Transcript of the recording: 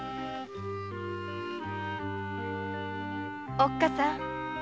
おっ母さん